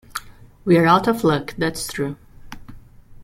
We're out of luck, that's true.